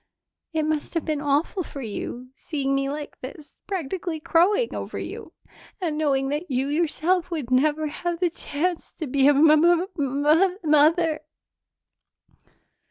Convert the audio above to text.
It must have been awful for you, seeing me like this, practically crowing over you, and knowing that you yourself would never have the chance to be a m m m mother."